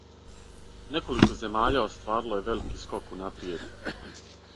Неколико земаља остварило је велики скок унапријед.